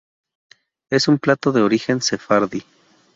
Es un plato de origen sefardí.